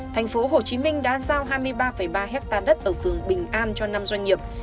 tp hồ chí minh đã giao hai mươi ba ba ha đất ở phường bình an cho năm doanh nghiệp